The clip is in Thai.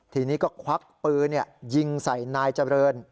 ทีนี้ก็ควักปืนยิงใส่นายเจริญ